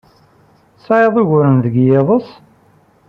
Tesɛiḍ uguren deg yiḍes?